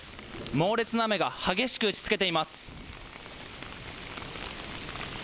猛烈な雨が激しく打ちつけています。